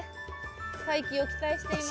再起を期待しています。